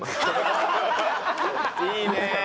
いいね！